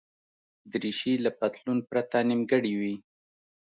دریشي له پتلون پرته نیمګړې وي.